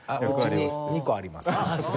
うちに２個あります。